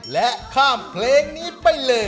และข้ามเพลงนี้ไปเลย